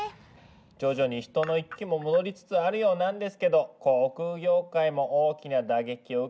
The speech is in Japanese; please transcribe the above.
徐々に人の行き来も戻りつつあるようなんですけど航空業界も大きな打撃を受けたみたいですよ。